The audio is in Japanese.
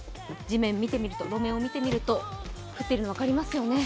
路面を見てみると、降っているのが分かりますね。